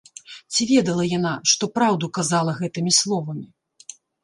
Ці ведала яна, што праўду казала гэтымі словамі?